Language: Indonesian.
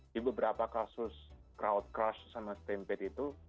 di beberapa kasus crowd crush sama stempete itu